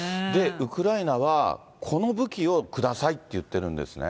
ウクライナはこの武器を下さいっていってるんですね。